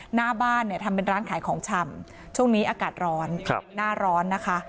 หน้าบ้านเนี่ยทำเป็นร้านขายของชำช่วงนี้อากาศร้อนหน้าร้อนนะคะ